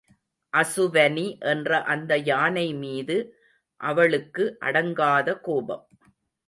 அசுவனி என்ற அந்த யானை மீது அவளுக்கு அடங்காத கோபம்.